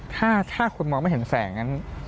ถ้าคุณมองไม่เห็นแสง